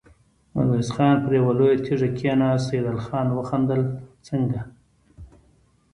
ميرويس خان پر يوه لويه تيږه کېناست، سيدال خان وخندل: څنګه!